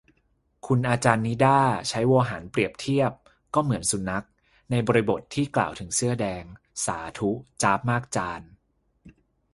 คุณอาจารย์นิด้า ใช้โวหารเปรียบเทียบ "ก็เหมือนสุนัข" ในบริบทที่กล่าวถึงเสื้อแดง สาธุ จ๊าบมากจารย์